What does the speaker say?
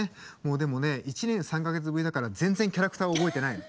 でもね１年３か月ぶりだから全然キャラクター覚えてないの。